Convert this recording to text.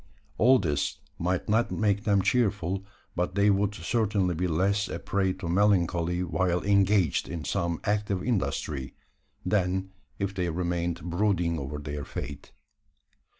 All this might not make them cheerful; but they would certainly be less a prey to melancholy while engaged in some active industry, than if they remained brooding over their fate.